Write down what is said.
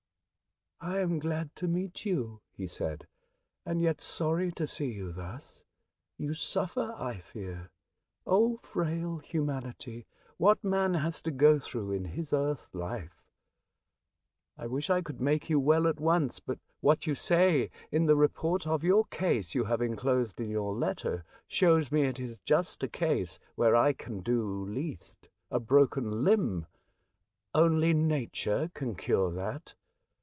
" I am glad to meet you," he said, *' and yet sorry to see you thus. You suffer, I fear. Oh ! frail humanity. What man has to go through in his earth life I I wish I could make you well at once, but what you say in the report of your case you have enclosed in your letter shows me it is just a case where I can do least. A broken limb ! Only nature can cure that.